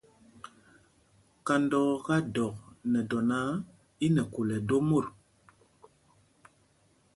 Kándɔɔká dɔk nɛ dɔ náǎ, í nɛ khūl ɛdó mot.